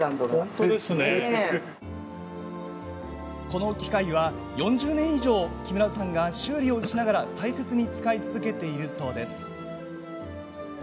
この機械は４０年以上木村さんが修理をしながら大切に使い続けているそうです。